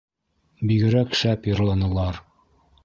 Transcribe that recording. — Бигерәк шәп йырланылар!